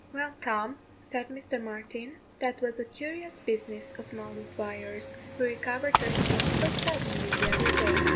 "Well, Tom," said Mr. Martin, "that was a curious business of Molly Dwyer's, who recovered her speech so suddenly the other day."